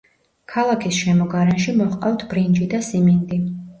ქალაქის შემოგარენში მოჰყავთ ბრინჯი და სიმინდი.